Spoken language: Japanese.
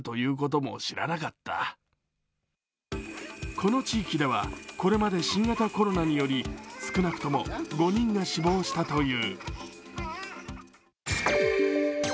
この地域ではこれまで新型コロナにより少なくとも５人が死亡したという。